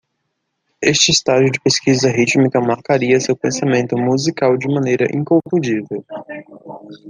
Este estágio de pesquisa rítmica marcaria seu pensamento musical de maneira inconfundível.